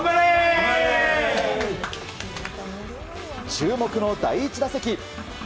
注目の第１打席。